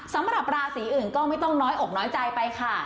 สำหรับราศีอื่นก็ไม่ต้องน้อยอกน้อยใจไปค่ะ